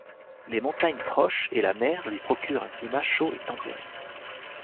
Les montagnes proches et la mer lui procurent un climat chaud et tempéré.